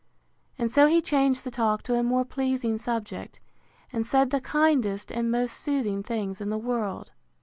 And so he changed the talk to a more pleasing subject, and said the kindest and most soothing things in the world.